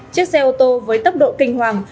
chiếc xe ô tô với tốc độ kinh hoàng